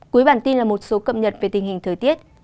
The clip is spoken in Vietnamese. cuối bản tin là một số cập nhật về tình hình thời tiết